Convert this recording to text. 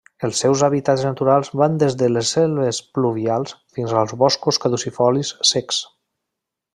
Els seus hàbitats naturals van des de les selves pluvials fins als boscos caducifolis secs.